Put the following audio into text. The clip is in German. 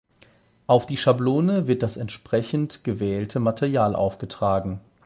Auf die Schablone wird das entsprechend gewählte Material aufgetragen.